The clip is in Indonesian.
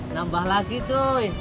nambah lagi cuy